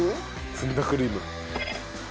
ずんだクリーム。